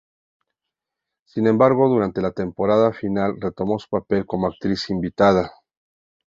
Sin embargo, durante la temporada final, retomó su papel como actriz invitada.